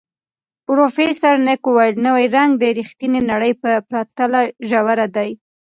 پروفیسر نګ وویل، نوی رنګ د ریښتیني نړۍ په پرتله ژور دی.